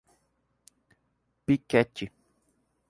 Piquete